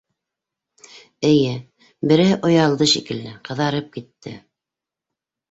Эйе, - береһе оялды, шикелле - ҡыҙарып китте.